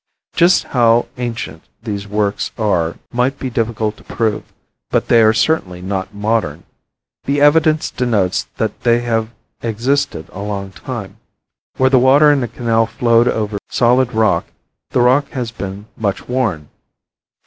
Just how ancient these works are might be difficult to prove, but they are certainly not modern. The evidence denotes that they have existed a long time. Where the water in a canal flowed over solid rock the rock has been much worn.